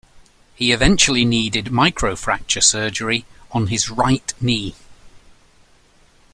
He eventually needed microfracture surgery on his right knee.